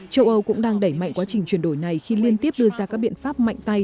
châu âu cũng đang đẩy mạnh quá trình chuyển đổi này khi liên tiếp đưa ra các biện pháp mạnh tay